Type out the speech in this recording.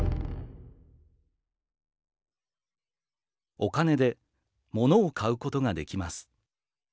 「お金で『物』を買うことができます。